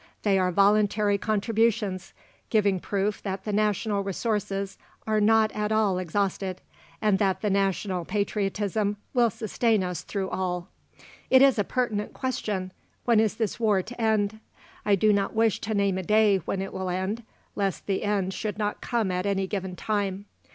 They are voluntary contributions, giving proof that the national resources are not at all exhausted, and that the national patriotism will sustain us through all. It is a pertinent question, When is this war to end? I do not wish to name a day when it will end, lest the end should not come at any given time.